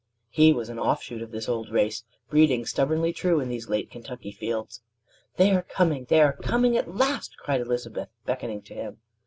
He was an offshoot of this old race, breeding stubbornly true on these late Kentucky fields. "They are coming! They are coming at last!" cried Elizabeth, beckoning to him.